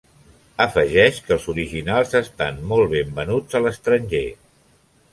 Afegeix que els originals estan molt ben venuts a l'estranger.